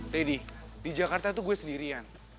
lady di jakarta tuh gue sendirian